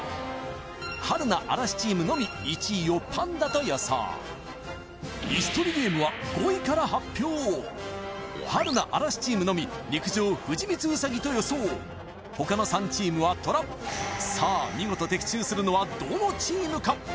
春菜・嵐チームのみ１位をパンダと予想イス取りゲームは春菜・嵐チームのみ陸上・藤光ウサギと予想ほかの３チームはトラさあ見事的中するのはどのチームか？